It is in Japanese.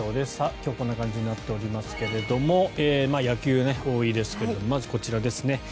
今日はこんな感じになっておりますけれども野球、多いですけれどまず、こちらですね。